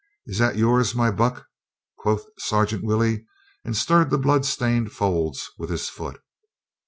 "Is that yours, my buck ?" quoth Sergeant Willey and stirred the blood stained folds with his foot.